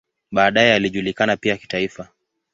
Baadaye alijulikana pia kitaifa.